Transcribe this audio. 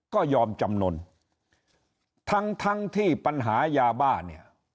ก็ยอมจำนวนทั้งที่ปัญหายาบ้าน